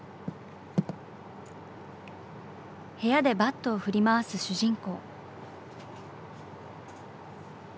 部屋でバットを振り回す主人公。